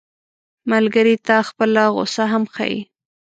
ملګری ته خپله غوسه هم ښيي